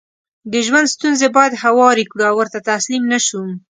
دژوند ستونزې بايد هوارې کړو او ورته تسليم نشو